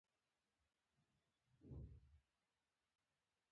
په سیمه کې اوسنی ناورین د پاکستان د مزدور رول زېږنده ده.